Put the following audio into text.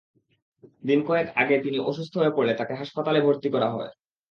কয়েক দিন আগে তিনি অসুস্থ হয়ে পড়লে তাঁকে হাসপাতালে ভর্তি করা হয়।